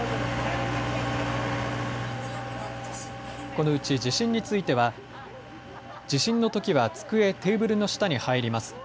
このうち地震については、地震のときは机、テーブルの下に入ります。